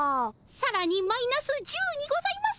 さらにマイナス１０にございます。